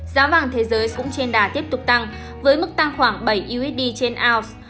giá vàng thế giới cũng trên đà tiếp tục tăng với mức tăng khoảng bảy usd trên ounce